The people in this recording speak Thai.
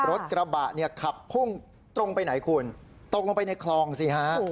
รถกระบะเนี่ยขับพุ่งตรงไปไหนคุณตกลงไปในคลองสิฮะ